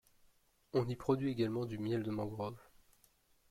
On y produit également du miel de mangrove.